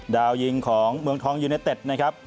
ดาวยิงของเมืองทองยูเนเต็ดนะครับ